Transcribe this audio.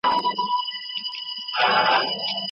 ایا څېړونکی کره کتونکی هم کېدای سي؟